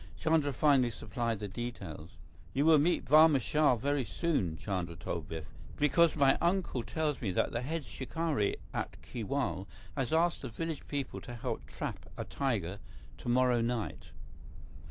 Chandra finally supplied the details. "You will meet Barma Shah very soon," Chandra told Biff, "because my uncle tells me that the head shikari at Keewal has asked the village people to help trap a tiger tomorrow night."